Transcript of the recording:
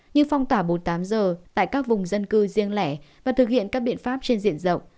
như phong tỏa bốn mươi tám giờ tại các vùng dân cư riêng lẻ và thực hiện các biện pháp trên diện rộng